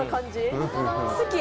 好き